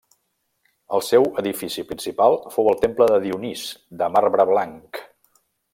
El seu edifici principal fou el temple de Dionís, de marbre blanc.